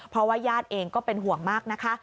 เพราะว่าญาติเองก็เป็นห่วงมากนะคะ